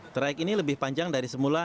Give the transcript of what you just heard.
traik ini lebih panjang dari semula